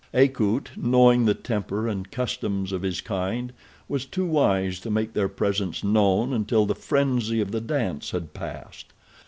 Akut, knowing the temper and customs of his kind, was too wise to make their presence known until the frenzy of the dance had passed.